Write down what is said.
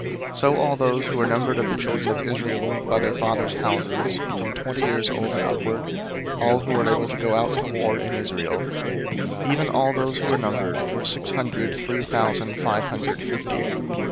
001:045 So all those who were numbered of the children of Israel by their fathers' houses, from twenty years old and upward, all who were able to go out to war in Israel; 001:046 even all those who were numbered were six hundred three thousand five hundred fifty.